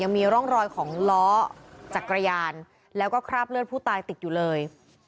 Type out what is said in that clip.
มีร่องรอยของล้อจักรยานแล้วก็คราบเลือดผู้ตายติดอยู่เลย